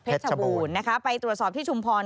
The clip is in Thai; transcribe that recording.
ชบูรณ์นะคะไปตรวจสอบที่ชุมพร